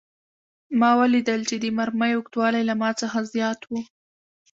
ما ولیدل چې د مرمۍ اوږدوالی له ما څخه زیات و